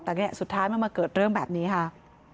แต่เนี่ยสุดท้ายมันมาเกิดเรื่องแบบนี้ค่ะ